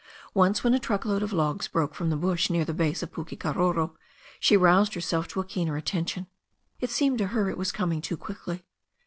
Once, when a truckload of logs broke from the bush near the base of Pukekaroro, she roused herself to a keener attention. It seemed to her it was coming too quickly.